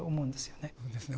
そうですね。